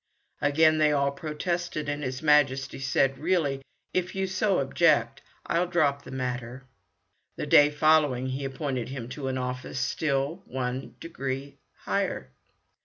Again they all protested, and his Majesty said, "Really, if you so object, I'll drop the matter." The day following he appointed him to an office still one degree higher.